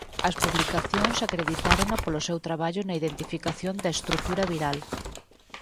As publicacións acreditárona polo seu traballo na identificación da estrutura viral.